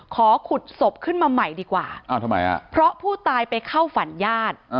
ขอขุดศพขึ้นมาใหม่ดีกว่าเพราะผู้ตายไปเข้าฝันญาติ